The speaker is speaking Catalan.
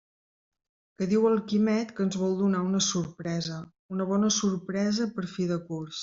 Que diu el Quimet que ens vol donar una sorpresa, una bona sorpresa per a fi de curs.